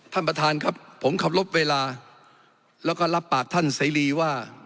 ท่านประธานครับผมเคารพเวลาแล้วก็รับปากท่านเสรีว่า